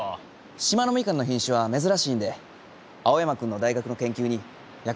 島のみかんの品種は珍しいんで青山君の大学の研究に役立つそうです。